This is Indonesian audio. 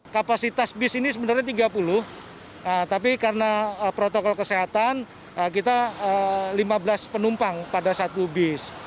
kapasitas bis ini sebenarnya tiga puluh tapi karena protokol kesehatan kita lima belas penumpang pada satu bus